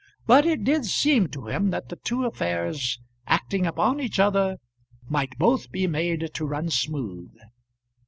But it did seem to him that the two affairs, acting upon each other, might both be made to run smooth.